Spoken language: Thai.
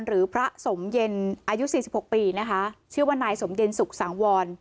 หรือพระสมเย็นอายุสี่สิบหกปีนะคะชื่อว่านายสมเดนสุขสังวร